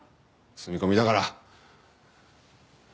住み込みだから。